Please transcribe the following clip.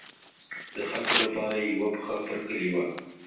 د خلکو لپاره یې یوه پښه پر کلي وه.